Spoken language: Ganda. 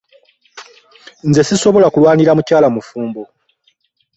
Nze sisobola kulwanira mukyala mufumbo.